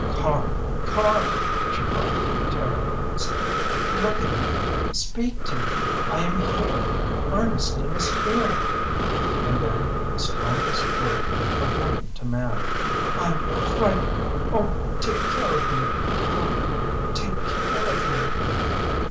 "Karl Karl!" she cried, terrorised "look at me! Speak to me! I am here! Ernestine is here!" And then, the strongest word of woman to man "I'm frightened! Oh take care of me Karl take care of me!"